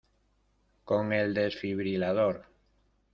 con el desfibrilador.